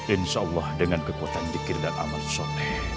insya allah dengan kekuatan dikir dan amal soleh